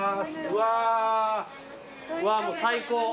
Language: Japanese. うわもう最高。